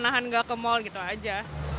nahan nggak ke mall gitu aja